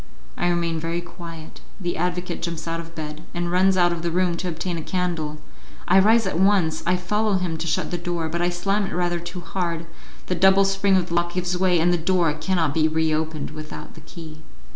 I remain very quiet, the advocate jumps out of bed, and runs out of the room to obtain a candle; I rise at once, I follow him to shut the door, but I slam it rather too hard, the double spring of the lock gives way, and the door cannot be reopened without the key.